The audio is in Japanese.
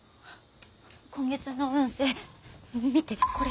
今月の運勢見てこれ。